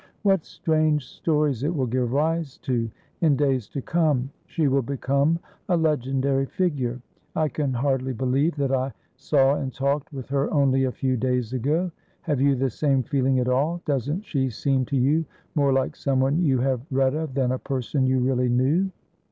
"What strange stories it will give rise to, in days to come! She will become a legendary figure. I can hardly believe that I saw and talked with her only a few days ago. Have you the same feeling at all? Doesn't she seem to you more like someone you have read of, than a person you really knew?"